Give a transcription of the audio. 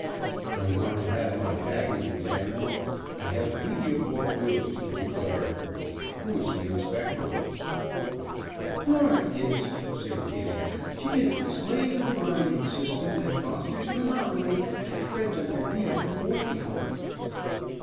"I want to have my baggage examined. I have dutiable goods to declare. Who is the inspector?" [Illustration: "'I declare one collar'"] "Laura is," said Kitty. "She is the slave of the grinding system that fosters monopoly and treads under heel the poor people."